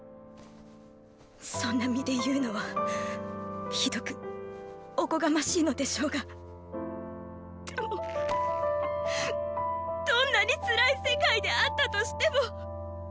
そんな身で言うのはひどくおこがましいのでしょうがでもどんなにつらい世界であったとしても！